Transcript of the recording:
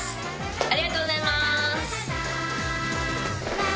ありがとうございます